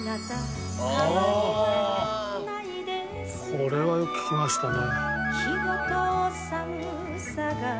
これはよく聴きましたね。